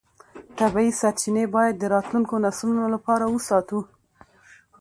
طبیعي سرچینې باید د راتلونکو نسلونو لپاره وساتو